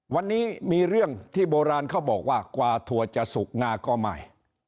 วันนี้มีเรื่องที่โบราณเขาบอกว่ากว่าถั่วจะสุกงาก็ไม่